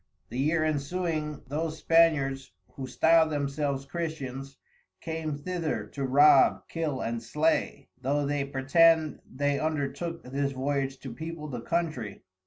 The year ensuing those Spaniards (who style themselves Christians) came thither to rob, kill and slay, though they pretend they undertook this Voyage to people the Countrey.